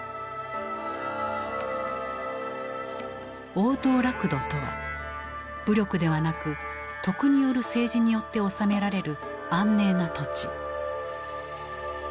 「王道楽土」とは武力ではなく徳による政治によって治められる安寧な土地。